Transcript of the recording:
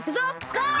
ゴー！